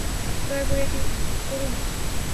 দয়া করে এটি করো না।